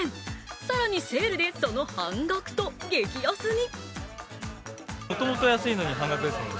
更にセールでその半額と激安に。